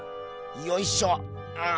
よいしょっ！